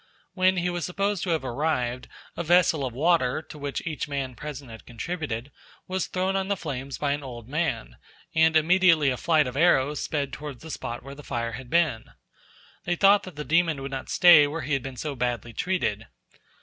When he was supposed to have arrived, a vessel of water, to which each man present had contributed, was thrown on the flames by an old man, and immediately a flight of arrows sped towards the spot where the fire had been. They thought that the demon would not stay where he had been so badly treated.